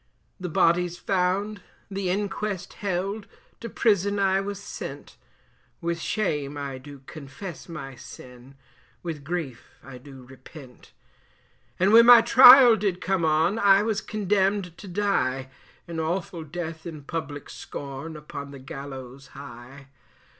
The body's found, the inquest held, to prison I was sent, With shame I do confess my sin, with grief I do repent; And when my trial did come on, I was condemned to die, An awful death in public scorn, upon the gallows high.